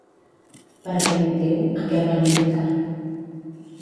Per aquest motiu, a què el van invitar?